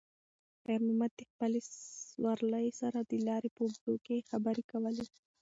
خیر محمد د خپلې سوارلۍ سره د لارې په اوږدو کې خبرې کولې.